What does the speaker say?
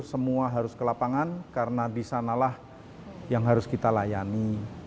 semua harus ke lapangan karena disanalah yang harus kita layani